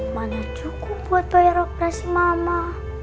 mana cukup buat bayar rokas mama